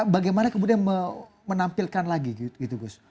bagaimana kemudian menampilkan lagi gitu gus